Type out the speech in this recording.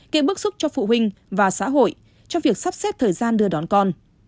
kể bước xúc cho phụ huynh và xã hội trong việc sắp xét thời gian đưa đón con